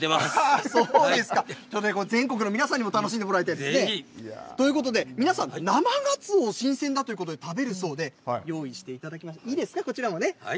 そうですか、全国の皆さんにも楽しんでもらいたいですね。ということで皆さん生がつお新鮮だということで食べるそうで用意していただきました。